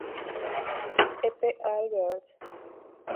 E. P. Albert.